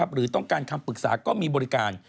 หรือต้องการคำปรึกษาก็มีบริการ